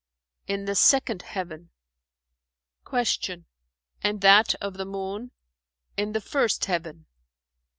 "In the second heaven." Q "And that of the Moon?" "In the first heaven."